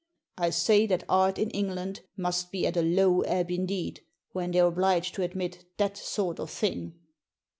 I say that art in England must be at a low ebb indeed when they're obliged to admit that sort of thing."